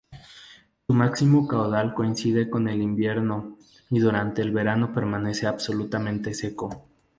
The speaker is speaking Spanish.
Su máximo caudal coincide con el invierno y durante el verano permanece absolutamente seco.